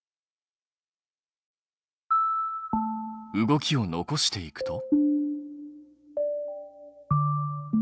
動きを残していくと。